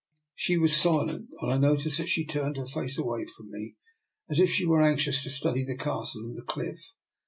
She was silent, and I noticed that she turned her face away from me, as if she were anxious to study the Castle and the cliff.